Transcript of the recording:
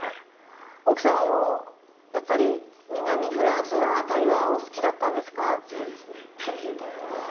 奥様もやっぱり南フランスのあたりはお好きだったんですか？